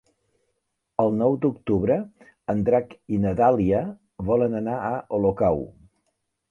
El nou d'octubre en Drac i na Dàlia volen anar a Olocau.